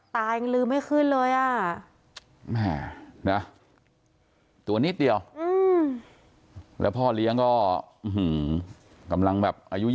ตายังลืมไม่ขึ้นเลยอ่ะตัวนิดเดียวแล้วพ่อเลี้ยงก็กำลังแบบอายุ๒๐